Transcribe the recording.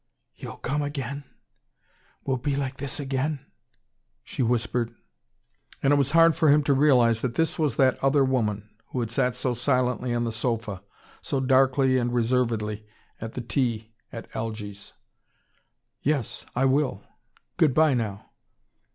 "You'll come again. We'll be like this again?" she whispered. And it was hard for him to realise that this was that other woman, who had sat so silently on the sofa, so darkly and reservedly, at the tea at Algy's. "Yes! I will! Goodbye now!"